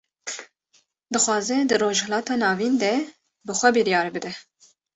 Dixwaze di Rojhilata Navîn de, bi xwe biryar bide